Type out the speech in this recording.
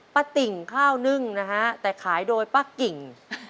ติ่งข้าวนึ่งนะฮะแต่ขายโดยป้ากิ่ง